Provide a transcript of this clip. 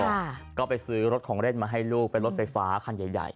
ค่ะก็ไปซื้อรถของเล่นมาให้ลูกเป็นรถไฟฟ้าคันใหญ่ใหญ่